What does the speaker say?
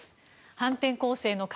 反転攻勢の鍵